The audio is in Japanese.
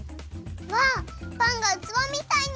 わあっパンがうつわみたいになった！